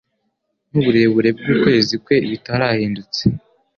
n'uburebure bw'ukwezi kwe bitarahindutse